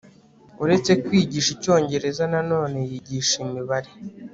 uretse kwigisha icyongereza nanone yigishaga imibare